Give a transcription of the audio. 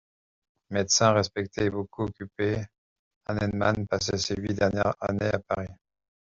Médecin respecté et beaucoup occupé, Hahnemann passait ses huit dernières années à Paris.